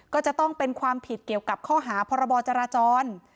ก็จะต้องเป็นความผิดเกี่ยวกับข้อหาพรบจราจร